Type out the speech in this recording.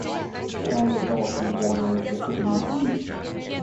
The Atlantic Ocean borders the city in the east.